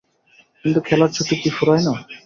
কিন্তু খেলার ছুটি কি ফুরায় না।